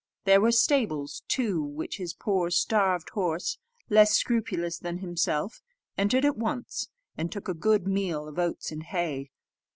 There were stables too, which his poor, starved horse, less scrupulous than himself, entered at once, and took a good meal of oats and hay.